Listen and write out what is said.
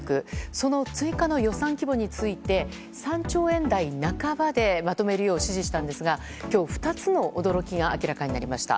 その追加の予算規模について３兆円台半ばでまとめるよう指示したんですが今日、２つの驚きが明らかになりました。